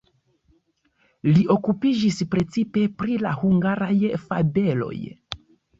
Li okupiĝis precipe pri la hungaraj fabeloj.